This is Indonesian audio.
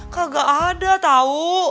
kagak ada tau